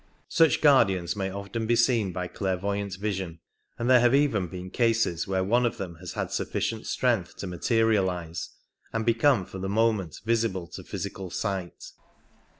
Such guardians may often be seen by clairvoyant vision, and there have even been cases where one of them has had sufficient strength to materialize and become for the moment visible to physical sight.